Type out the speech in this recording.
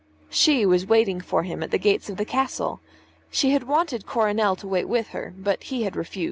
She was waiting for him at the gates of the castle. She had wanted Coronel to wait with her, but he had refused.